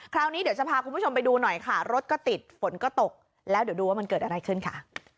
คราวนี้เดี๋ยวจะพาคุณผู้ชมไปดูหน่อยค่ะรถก็ติดฝนก็ตกแล้วเดี๋ยวดูว่ามันเกิดอะไรขึ้นค่ะ